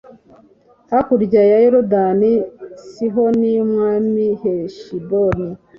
Hakurya ya yorodani sihoni umwami heshiboni